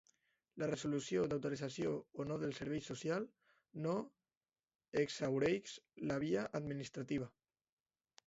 La resolució d'autorització o no del servei social no exhaureix la via administrativa.